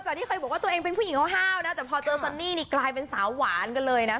ที่เคยบอกว่าตัวเองเป็นผู้หญิงห้าวนะแต่พอเจอซันนี่นี่กลายเป็นสาวหวานกันเลยนะ